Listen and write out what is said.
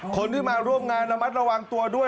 คนที่มาร่วมงานระมัดระวังตัวด้วย